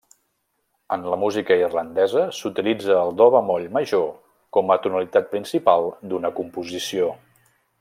En la música irlandesa s'utilitza do bemoll major com a tonalitat principal d'una composició.